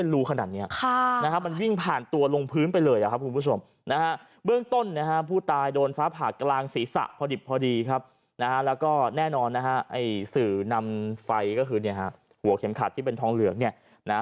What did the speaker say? แล้วก็แน่นอนสื่อนำไฟก็คือหัวเข็มขาดที่เป็นทองเหลือง